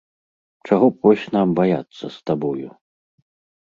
Чаго б вось нам баяцца з табою?